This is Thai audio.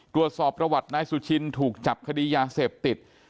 ตรวจสอบประวัตินายสุชินถูกจับคดียาเสพติด